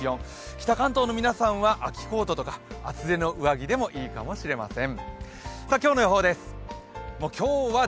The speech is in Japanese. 北関東の皆さんは秋コートとか厚手の上着でもいいかもしれません。